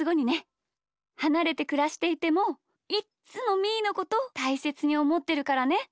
はなれてくらしていてもいっつもみーのことたいせつにおもってるからね！